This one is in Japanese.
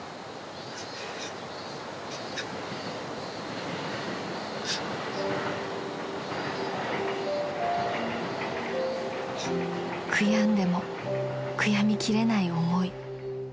［悔やんでも悔やみきれない思い］